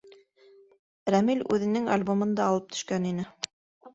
Рәмил үҙенең альбомын да алып төшкән ине.